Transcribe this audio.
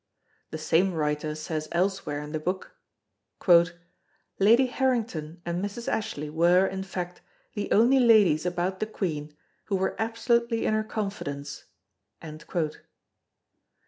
The same writer says elsewhere in the book: "Lady Harrington and Mrs. Ashley were, in fact, the only ladies about the Queen who were absolutely in her confidence."